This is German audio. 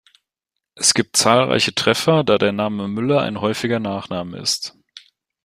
Es gibt zahlreiche Treffer, da der Name Müller ein häufiger Nachname ist.